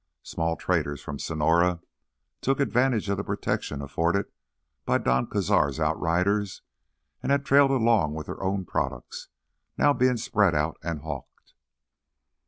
Small traders from Sonora took advantage of the protection afforded by Don Cazar's outriders and had trailed along with their own products, now being spread out and hawked.